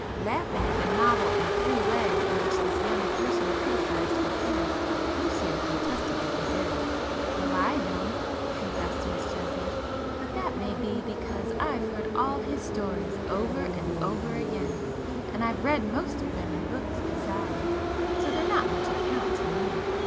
Laughing at the novel and free way in which this young person criticised her parent, Lucio protested that he did. "Well I don't,"—confessed Miss Chesney—"But that may be because I've heard all his stories over and over again, and I've read most of them in books besides,—so they're not much account to me.